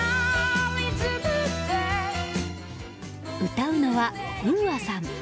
歌うのは、ＵＡさん。